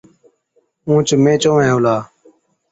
اُونهچ مين چووَين هُلا۔